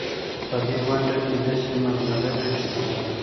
په دې ونډه کې داسې ملغلرې شته.